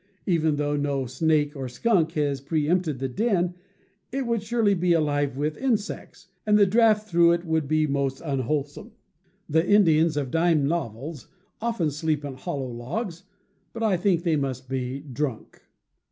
Even though no '" snake nor skunk had preempted the den, it would surely be alive with insects, and the draught through it would be most unwholesome. The Indians of dime novels often sleep in hollow logs, but I think they must be drunk.